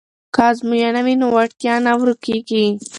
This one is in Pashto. که ازموینه وي نو وړتیا نه ورکیږي.